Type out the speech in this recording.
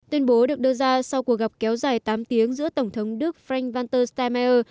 tuyên bố được đưa ra sau cuộc gặp kéo dài tám tiếng giữa tổng thống đức frank walter steinmeier